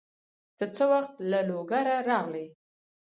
ته څه وخت له لوګره راغلې؟